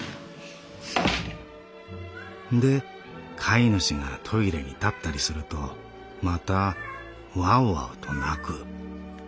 「で飼い主がトイレに立ったりするとまたワオワオと鳴く。